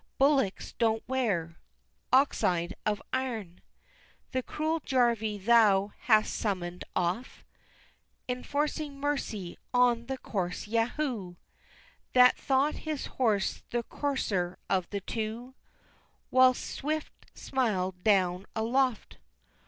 Bullocks don't wear Oxide of iron! The cruel Jarvy thou hast summon'd oft, Enforcing mercy on the coarse Yahoo, That thought his horse the courser of the two Whilst Swift smiled down aloft!